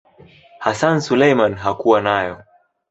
Hassan Suleiman hakuwa nayo.